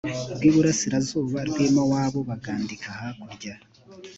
rw iburasirazuba rw i mowabu bagandika hakurya